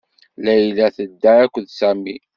Layla tedda akked Sami.